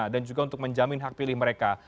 dan juga untuk menjamin hak pilih mereka